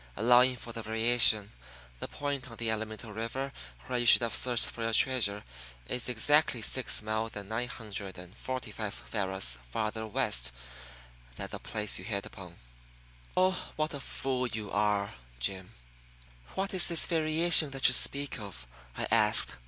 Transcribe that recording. Allowing for the variation, the point on the Alamito River where you should have searched for your treasure is exactly six miles and nine hundred and forty five varas farther west than the place you hit upon. Oh, what a fool you are, Jim!" "What is this variation that you speak of?" I asked.